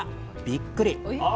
びっくり！